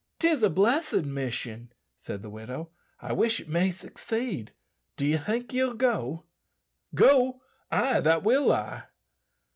"'Tis a blessed mission," said the widow; "I wish it may succeed. D'ye think ye'll go?" "Go? ay, that will I."